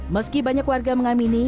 meski banyak warga mengamini